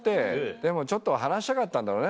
でもちょっと話したかったんだろうね